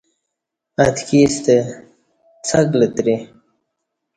اتکی ستہ څݣ لتری